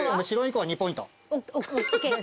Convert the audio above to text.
白い子は２ポイント。